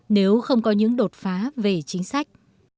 nếu không có những đột phá về chính sách